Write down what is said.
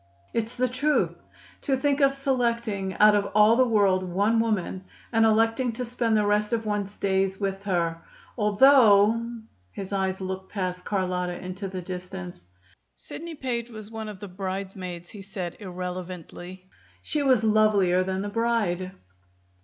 "It's the truth. To think of selecting out of all the world one woman, and electing to spend the rest of one's days with her! Although " His eyes looked past Carlotta into distance. "Sidney Page was one of the bridesmaids," he said irrelevantly. "She was lovelier than the bride."